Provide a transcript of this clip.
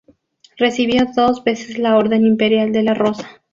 Recibió dos veces la Orden imperial de la Rosa.